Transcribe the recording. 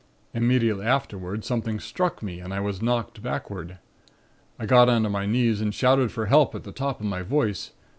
Immediately afterward something struck me and I was knocked backward. I got on to my knees and shouted for help at the top of my voice.